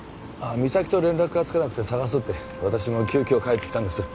実咲と連絡がつかなくて捜すって私も急きょ帰ってきたんです